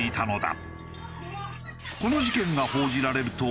この事件が報じられると。